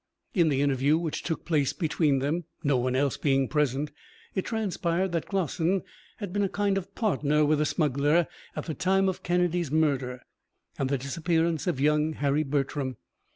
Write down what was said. In the interview which took place between them, no one else being present, it transpired that Glossin had been a kind of partner with the smuggler at the time of Kennedy's murder and the disappearance of young Harry Bertram.